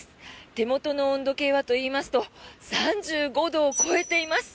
手元の温度計はといいますと３５度を超えています。